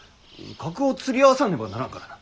格を釣り合わさねばならんからな。